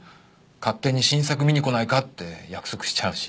勝手に新作見に来ないかって約束しちゃうし。